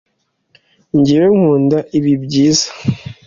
Njyewe, Nkunda ibi byiza.